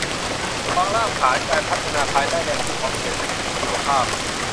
วางรากฐานการพัฒนาภายใต้แนวคิดเศรษฐกิจชีวภาพ